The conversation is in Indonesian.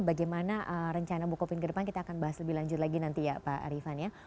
bagaimana rencana bukopin ke depan kita akan bahas lebih lanjut lagi nanti ya pak ariefan ya